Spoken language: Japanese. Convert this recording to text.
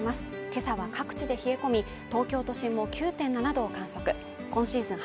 今朝は各地で冷え込み東京都心も９．７度を観測今シーズン